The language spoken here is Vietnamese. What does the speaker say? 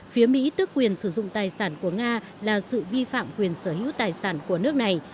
phía mỹ tức quyền sử dụng tài sản của nga là sự vi phạm quyền sở hữu tài sản của nước này